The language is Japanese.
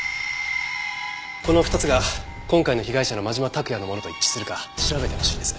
この２つが今回の被害者の真島拓也のものと一致するか調べてほしいんです。